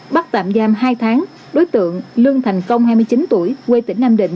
bắt tạm giam hai tháng đối tượng lương thành công hai mươi chín tuổi quê tỉnh nam định